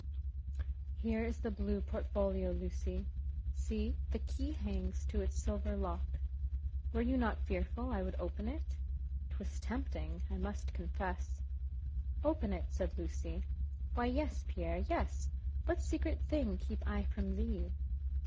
"Here is the blue portfolio, Lucy. See, the key hangs to its silver lock; were you not fearful I would open it? 'twas tempting, I must confess." "Open it!" said Lucy "why, yes, Pierre, yes; what secret thing keep I from thee?